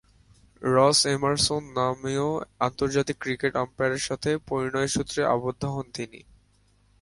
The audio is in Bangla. রস এমারসন নামীয় আন্তর্জাতিক ক্রিকেট আম্পায়ারের সাথে পরিণয়সূত্রে আবদ্ধ হন তিনি।